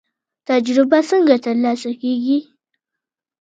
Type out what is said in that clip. تجربه څنګه ترلاسه کیږي؟